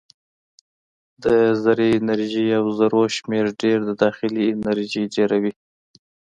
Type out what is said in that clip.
د ذرې انرژي او ذرو شمیر ډېر د داخلي انرژي ډېروي.